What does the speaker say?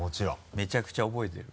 めちゃくちゃ覚えてる。